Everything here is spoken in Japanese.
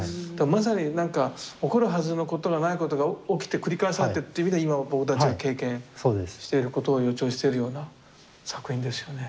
まさに何か起こるはずのないことが起きて繰り返されてっていう意味では今僕たちが経験していることを予兆してるような作品ですよね。